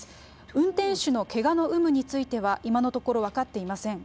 運転手のけがの有無については、今のところ、分かっていません。